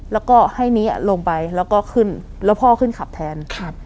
แล้วก็ให้นิลงไปแล้วพ่อขึ้นขับแทน